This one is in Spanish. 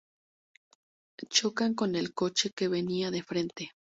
Chocan con el coche que venía de frente.